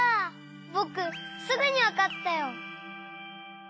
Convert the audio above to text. ぼくすぐにわかったよ！